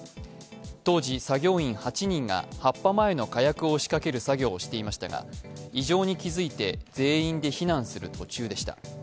当時、作業員８人が発破前の火薬を仕掛ける作業をしていましたが、異常に気づいて全員で避難する途中でした。